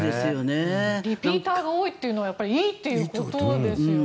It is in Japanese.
リピーターが多いというのはやはりいいということですよね。